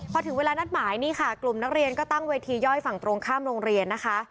พอถึงเวลานัดหมายนี่ค่ะกลุ่มนักเรียนก็ตั้งเวทีย่อยฝั่งตรงข้ามโรงเรียนนะคะ